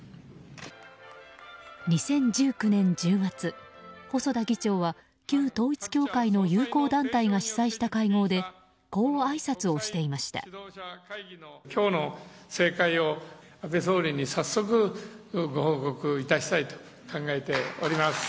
２０１９年１０月細田議長は旧統一教会の友好団体が主催した会合でこうあいさつをしていました。